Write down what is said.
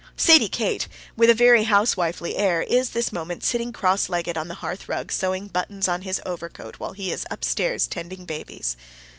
Sadie Kate, with a very housewifely air, is this moment sitting cross legged on the hearth rug sewing buttons on his overcoat while he is upstairs tending babies.